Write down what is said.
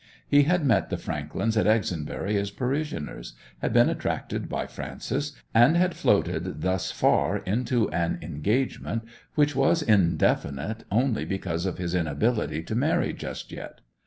He had met the Franklands at Exonbury as parishioners, had been attracted by Frances, and had floated thus far into an engagement which was indefinite only because of his inability to marry just yet.